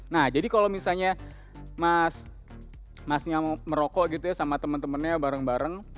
nah jadi kalau misalnya masnya merokok gitu ya sama teman temannya bareng bareng